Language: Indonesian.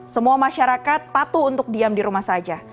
semua masyarakat patuh untuk diam di rumah saja